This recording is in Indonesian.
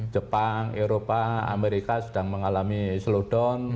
jepang eropa amerika sudah mengalami slowdown